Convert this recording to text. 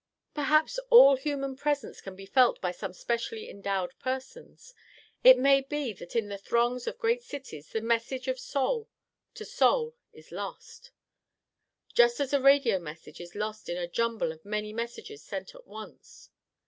Perhaps all human presence can be felt by some specially endowed persons. It may be that in the throngs of great cities the message of soul to soul is lost, just as a radio message is lost in a jumble of many messages sent at once.